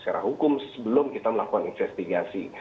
secara hukum sebelum kita melakukan investigasi